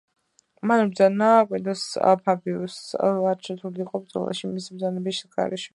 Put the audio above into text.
მან უბრძანა კვინტუს ფაბიუსს არ ჩართულიყო ბრძოლაში მისი ბრძანების გარეშე.